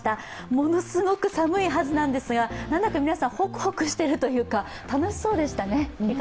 ものすごく寒いはずなんですが、何だか皆さん、ホクホクしているというか、楽しそうでしたね。